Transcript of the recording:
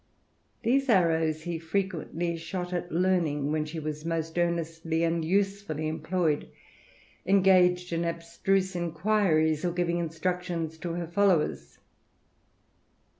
These arrows he frequently shot at Learning, when she was most earnestly and usefully employed, engaged in abstruse inquiries, or giving instructions to her followers.